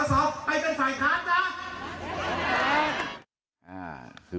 คุณวราวุฒิศิลปะอาชาหัวหน้าภักดิ์ชาติไทยพัฒนา